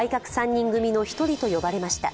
３人組の１人と呼ばれました。